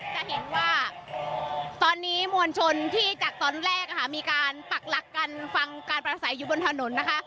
จะเห็นว่าตอนนี้มวลชนที่จากตอนแรกมีการปักหลักกันฟังการประสัยอยู่บนถนนนะคะ